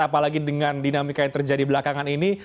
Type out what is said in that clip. apalagi dengan dinamika yang terjadi belakangan ini